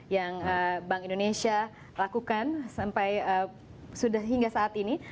yang bank indonesia lakukan sampai sudah hingga saat ini